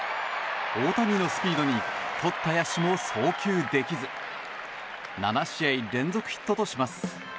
大谷のスピードにとった野手も送球できず７試合連続ヒットとします。